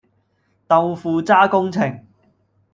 豆腐渣工程